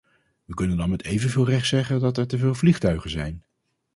We kunnen dan met evenveel recht zeggen dat er te veel vliegtuigen zijn.